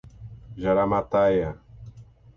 Jaramataia